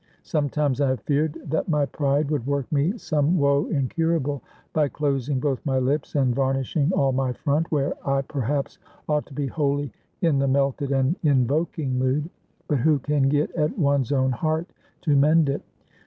Sometimes I have feared that my pride would work me some woe incurable, by closing both my lips, and varnishing all my front, where I perhaps ought to be wholly in the melted and invoking mood. But who can get at one's own heart, to mend it?